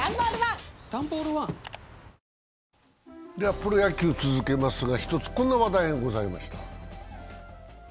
プロ野球、続けますが、１つこんな話題がございました。